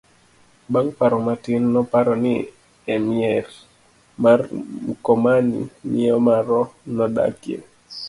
bang' paro matin, noparo ni e mier mar Mkomani miyo maro nodakie